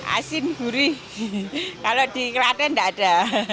asin gurih kalau di klaten tidak ada